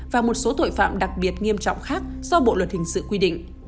và một số tội phạm đặc biệt nghiêm trọng khác do bộ luật hình sự quy định